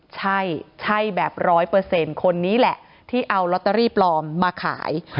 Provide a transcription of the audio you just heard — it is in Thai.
ใช่ใช่แบบ๑๐๐คนนี้แหละที่เอาลอตเตอรี่ปลอมมาขาย